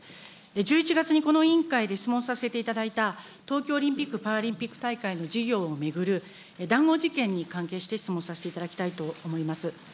１１月にこの委員会で質問させていただいた、東京オリンピック・パラリンピック大会の事業を巡る談合事件に関係して質問させていただきたいと思います。